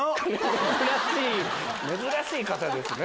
珍しい方ですね。